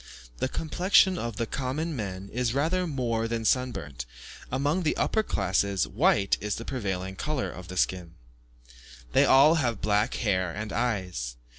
The complexion of the common men is rather more than sunburnt; among the upper classes, white is the prevailing colour of the skin. They all have black hair and eyes.